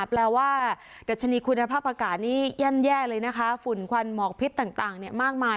แปลว่าดัชนีคุณภาพอากาศนี้แย่มแย่เลยนะคะฝุ่นควันหมอกพิษต่างมากมาย